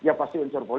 dia memang namanya dprd